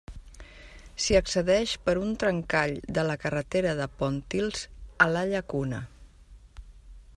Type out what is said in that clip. S'hi accedeix per un trencall de la carretera de Pontils a la Llacuna.